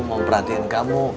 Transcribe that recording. mau perhatiin kamu